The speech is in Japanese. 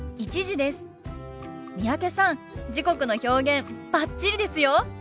三宅さん時刻の表現バッチリですよ。